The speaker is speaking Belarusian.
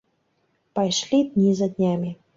Пайшлі дні за днямі.